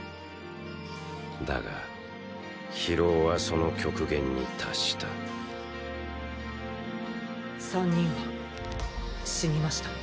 だが疲労はその極限に達した３人は死にました。